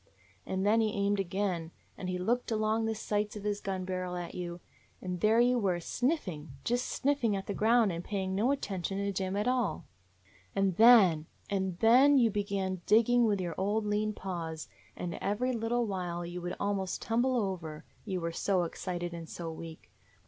"And then he aimed again, and he looked along the sights on his gun barrel at you ; and 209 DOG HEROES OF MANY LANDS there you were, sniffing, just sniffing at the ground, and paying no attention to Jim at all. "And then — and then you began digging with your old lean paws, and every little while you would almost tumble over, you were so ex cited and so weak.